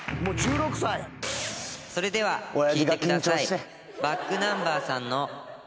それでは聴いてください。